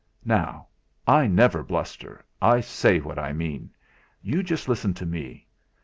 Now, I never bluster; I say what I mean. You just listen to me.